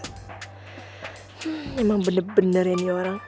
hmm emang bener bener ya nih om